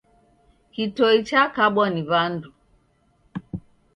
Kitoi chekabwa ni w'andu.